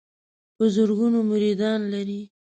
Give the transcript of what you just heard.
په زرګونو مریدان لري.